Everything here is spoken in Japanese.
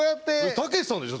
たけしさんでしょ？